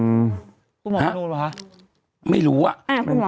คุณหมอมะนูลหรือคะ